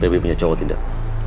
bebe punya cowok tidak